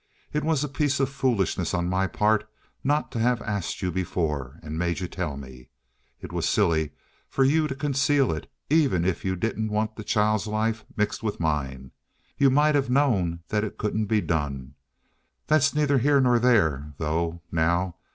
It was a piece of foolishness on my part not to have asked you before, and made you tell me. It was silly for you to conceal it, even if you didn't want the child's life mixed with mine. You might have known that it couldn't be done. That's neither here nor there, though, now.